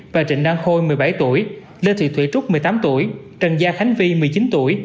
và trịnh đăng khôi một mươi bảy tuổi lê thị thủy trúc một mươi tám tuổi trần gia khánh vi một mươi chín tuổi